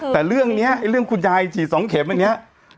แต่เรื่องนี้เรื่องคุณยายฉีด๒เข็มอันนี้